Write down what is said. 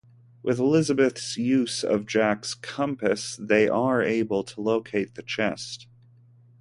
With Elizabeth's use of Jack's compass, they are able to locate the chest.